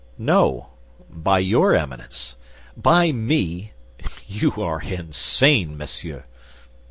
"No, by your Eminence." "By me? You are insane, monsieur."